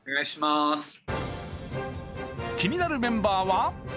気になるメンバーは？